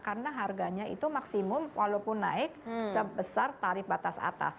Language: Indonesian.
karena harganya itu maksimum walaupun naik sebesar tarif batas atas